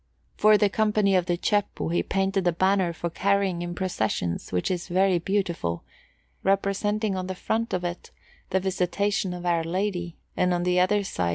For the Company of the Ceppo he painted the banner for carrying in processions, which is very beautiful, representing on the front of it the Visitation of Our Lady, and on the other side S.